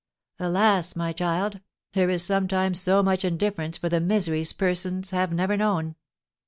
"Alas, my child, there is sometimes so much indifference for the miseries persons have never known!"